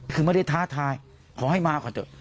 คือไม่ได้ท้าทายขอให้มาก่อนเถอะ